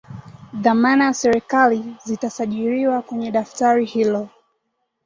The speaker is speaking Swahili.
dhamana za serikali zitasajiriwa kwenye daftari hilo